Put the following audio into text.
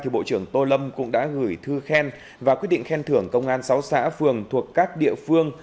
bộ trưởng tô lâm cũng đã gửi thư khen và quyết định khen thưởng công an sáu xã phường thuộc các địa phương